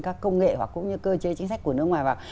các công nghệ hoặc cũng như cơ chế chính sách của nước ngoài vào